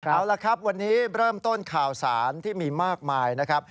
เอาละครับวันนี้เริ่มต้นข่าวสารที่มีมากมายนะครับ